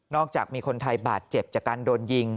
จากมีคนไทยบาดเจ็บจากการโดนยิง